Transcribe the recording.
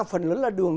phần lớn là đường